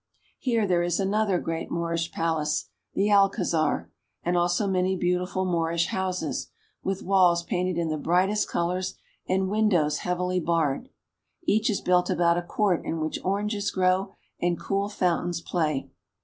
Here there is another great Moorish palace, the Alcazar (al ka/thar), and also many beautiful Moorish houses, with walls painted in the bright est colors and windows heavily barred. Each 'is built about a court in which oranges grow and cool fountains play.